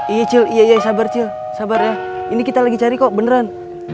iya cil sabar ya ini kita lagi cari kok beneran